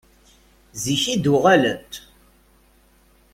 Zik i d-uɣalent?